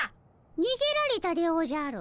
にげられたでおじゃる。